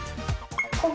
ここ？